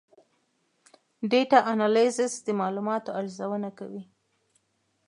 ډیټا انالیسز د معلوماتو ارزونه کوي.